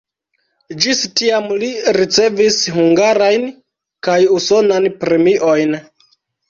Ĝis tiam li ricevis hungarajn kaj usonan premiojn.